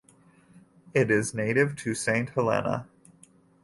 It is native to Saint Helena.